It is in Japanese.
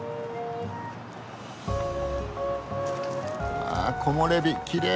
わ木漏れ日きれい。